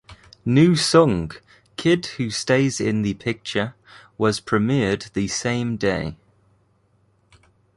New song "Kid Who Stays in the Picture" was premiered the same day.